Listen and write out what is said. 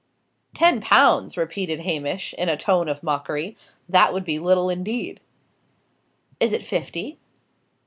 "Ten pounds!" repeated Hamish, in a tone of mockery. "That would be little indeed." "Is it fifty?"